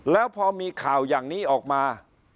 แล้วพอมีข่าวอย่างนี้ออกมา